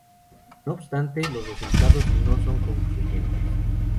No obstante, los resultados no son concluyentes.